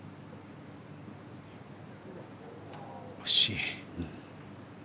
惜しい。